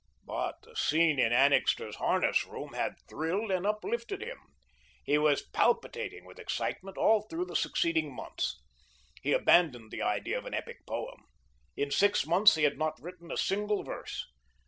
But the scene in Annixter's harness room had thrilled and uplifted him. He was palpitating with excitement all through the succeeding months. He abandoned the idea of an epic poem. In six months he had not written a single verse.